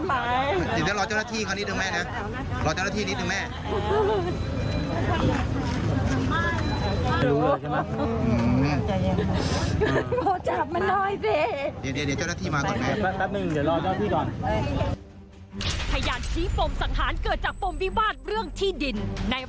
เมื่อจะรอเจ้าราศิษฐ์นิดหนึ่งเลยไหม